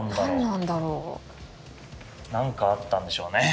なんかあったんでしょうね。